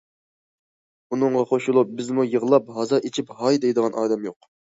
ئۇنىڭغا قوشۇلۇپ بىزمۇ يىغلاپ ھازا ئېچىپ، ھاي دەيدىغان ئادەم يوق.